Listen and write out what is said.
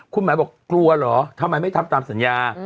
คุณหมายบอกกลัวเหรอทำไมไม่ทำตามสัญญา